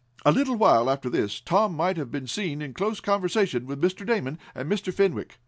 A little while after this Tom might have been seen in close conversation with Mr. Damon and Mr. Fenwick.